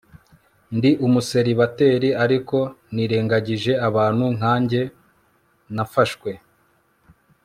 ndi umuseribateri ariko nirengagije abantu nkanjye nafashwe